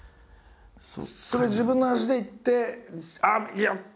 それは自分の足で行ってやった！